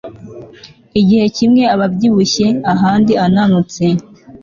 igihe kimwe aba abyibushye ahandi ananutse